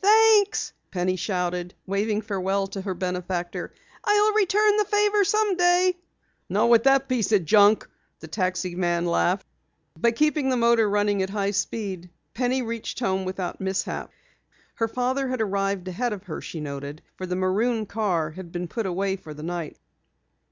"Thanks!" Penny shouted, waving farewell to her benefactor. "I'll return the favor someday." "Not with that mess of junk!" the taxi man laughed. By keeping the motor running at high speed, Penny reached home without mishap. Her father had arrived ahead of her, she noted, for the maroon car had been put away for the night.